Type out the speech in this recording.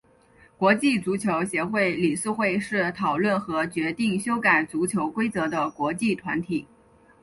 国际足球协会理事会是讨论和决定修改足球规则的国际团体。